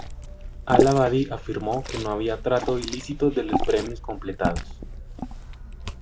Al-Abadi afirmó que no había trato ilícito de los premios completados.